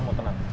ya kamu tenang